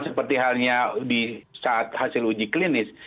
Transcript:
seperti halnya di saat hasil uji klinis